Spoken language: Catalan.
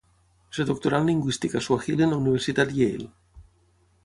Es doctorà en lingüística suahili en la Universitat Yale.